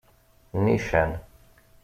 Nican.